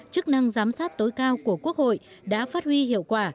chức năng giám sát tối cao của quốc hội đã phát huy hiệu quả